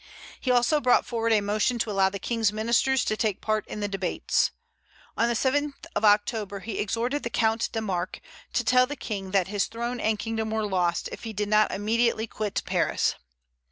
He also brought forward a motion to allow the King's ministers to take part in the debates. "On the 7th of October he exhorted the Count de Marck to tell the King that his throne and kingdom were lost, if he did not immediately quit Paris."